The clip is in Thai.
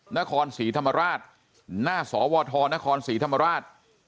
นครศรีธรรมราชหน้าสวทนครศรีธรรมราช